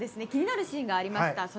気になるシーンがありました。